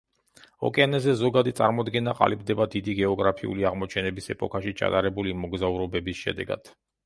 ოკეანეზე ზოგადი წარმოდგენა ყალიბდება დიდი გეოგრაფიული აღმოჩენების ეპოქაში ჩატარებული მოგზაურობების შედეგად.